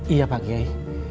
iya pak yai